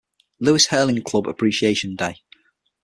Louis Hurling Club Appreciation Day.